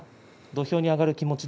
土俵に上がる気持ち